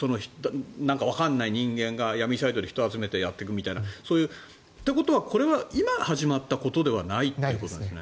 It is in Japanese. わからない人間が闇サイトで人を集めてやっていくみたいな。ということは、これは今始まったことじゃないということなんですね。